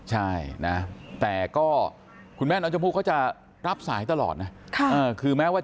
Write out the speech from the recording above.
ใช่นะแต่ก็คุณแม่น้องชมพู่เขาจะรับสายตลอดนะคือแม้ว่า